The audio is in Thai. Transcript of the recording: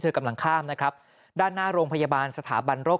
กำลังข้ามนะครับด้านหน้าโรงพยาบาลสถาบันโรค